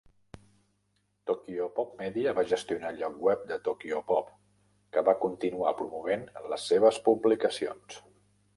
Tokyopop Media va gestionar el lloc web de Tokyopop, que va continuar promovent les seves publicacions.